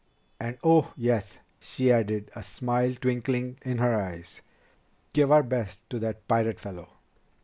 And oh, yes," she added, a smile twinkling in her eyes, "give our best to that pirate fellow!"